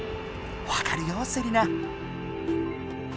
わかるよセリナ。